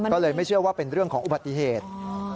ก็เลยไม่เชื่อว่าเป็นเรื่องของอุบัติเหตุ